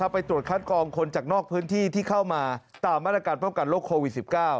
ไปตรวจคัดกองคนจากนอกพื้นที่ที่เข้ามาตามมาตรการป้องกันโรคโควิด๑๙